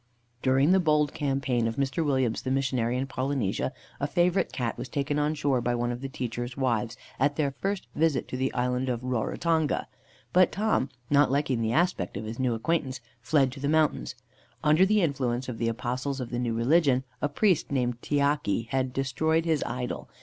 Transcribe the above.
During the bold campaign of Mr. Williams the Missionary in Polynesia, a favourite Cat was taken on shore by one of the teacher's wives at their first visit to the island of Rarotonga. But Tom, not liking the aspect of his new acquaintance, fled to the mountains. Under the influence of the apostles of the new religion, a priest named Tiaki had destroyed his idol.